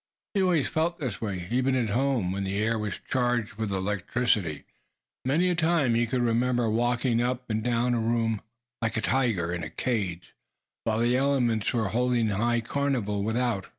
He always felt this way, even at home, when the air was charged with electricity. Many a time he could remember walking up and down a room, like a tiger in its cage, while the elements were holding high carnival without.